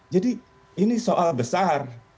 jadi ini soal besar